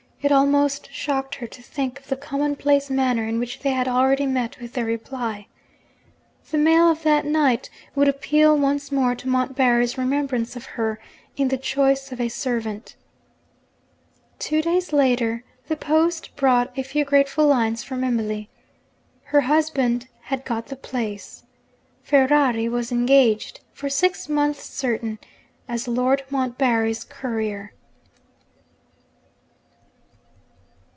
It almost shocked her to think of the common place manner in which they had already met with their reply. The mail of that night would appeal once more to Montbarry's remembrance of her in the choice of a servant. Two days later, the post brought a few grateful lines from Emily. Her husband had got the place. Ferrari was engaged, for six months certain, as Lord Montbarry's courier.